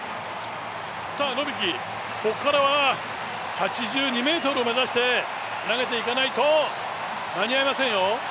ノビキ、ここからは８２ｍを目指して投げていかないと間に合いませんよ。